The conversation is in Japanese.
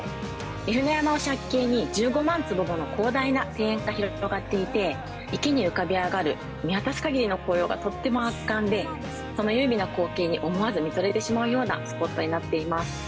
御船山を借景に、１５万坪もの広大な庭園が広がっていて、池に浮かび上がる見渡すかぎりの紅葉がとっても圧巻で、この優美な光景に思わず見とれてしまうようなスポットになっています。